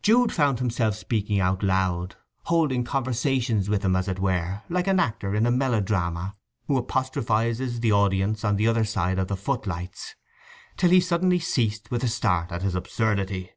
Jude found himself speaking out loud, holding conversations with them as it were, like an actor in a melodrama who apostrophizes the audience on the other side of the footlights; till he suddenly ceased with a start at his absurdity.